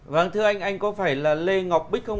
vâng thưa anh anh có phải là lê ngọc bích không